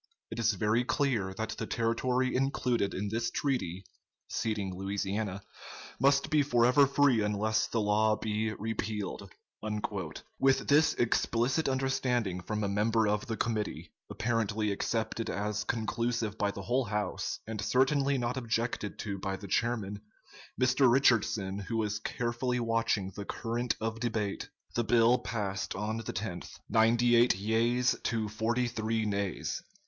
It is very clear that the territory included in this treaty [ceding Louisiana] must be forever free unless the law be repealed." With this explicit understanding from a member of the committee, apparently accepted as conclusive by the whole House, and certainly not objected to by the chairman, Mr. Richardson, who was carefully watching the current of debate, the bill passed on the 10th, ninety eight yeas to forty three nays.